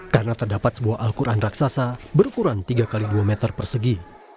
karena terdapat sebuah al quran raksasa berukuran tiga x dua meter persegi